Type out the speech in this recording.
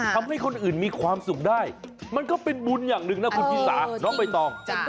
ทำให้คนอื่นมีความสุขได้มันก็เป็นบุญอย่างหนึ่งนะคุณชิสาน้องใบตอง